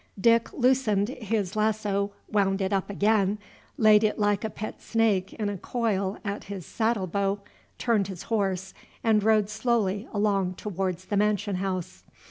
Dick loosened his lasso, wound it up again, laid it like a pet snake in a coil at his saddle bow, turned his horse, and rode slowly along towards the mansion house.